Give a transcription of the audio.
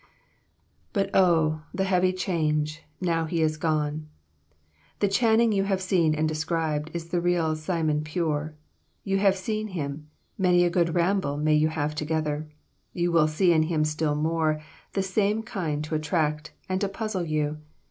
"'But O, the heavy change,' now he is gone. The Channing you have seen and described is the real Simon Pure. You have seen him. Many a good ramble may you have together! You will see in him still more of the same kind to attract and to puzzle you.